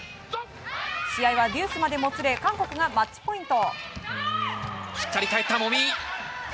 試合はデュースまでもつれ韓国がマッチポイント。